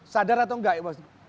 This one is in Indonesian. sadar atau enggak